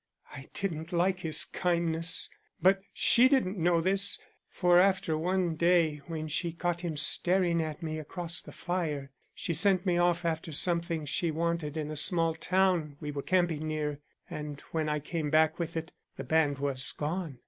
I didn't like his kindness, but she didn't know this, for after one day when she caught him staring at me across the fire, she sent me off after something she wanted in a small town we were camping near, and when I came back with it, the band was gone.